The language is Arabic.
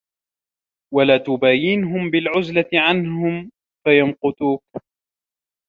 وَلَا تُبَايِنْهُمْ بِالْعُزْلَةِ عَنْهُمْ فَيَمْقُتُوك